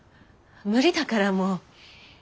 無理だからもう。